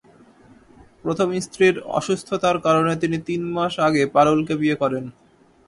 প্রথম স্ত্রীর অসুস্থতার কারণে তিনি তিন মাস আগে পারুলকে বিয়ে করেন।